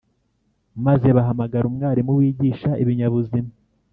maze bahamagara umwarimu wigisha ibinyabuzima,